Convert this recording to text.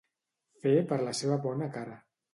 Fer per la seva bona cara.